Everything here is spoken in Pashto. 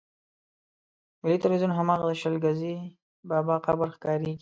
ملي ټلویزیون هماغه د شل ګزي بابا قبر ښکارېږي.